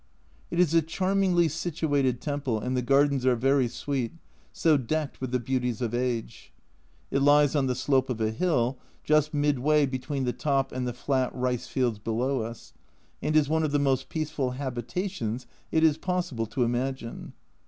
It is a charmingly situated temple, and the gardens are very sweet, so decked with the beauties of age. It lies on the slope of a hill, just midway between the top and the flat rice fields below us, and is one of the most peaceful habitations it is possible to imagine.